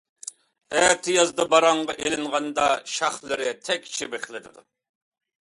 ئەتىيازدا باراڭغا ئىلىنغاندا شاخلىرى تەكشى بىخلىنىدۇ.